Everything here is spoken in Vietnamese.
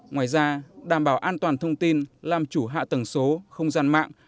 ngoài ra đảm bảo an toàn thông tin làm chủ hạ tầng số không gian mạng